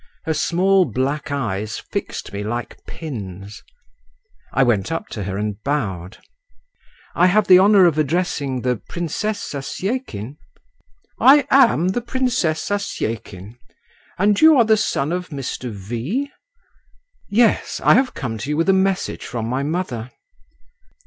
Her small black eyes fixed me like pins. I went up to her and bowed. "I have the honour of addressing the Princess Zasyekin?" "I am the Princess Zasyekin; and you are the son of Mr. V.?" "Yes. I have come to you with a message from my mother."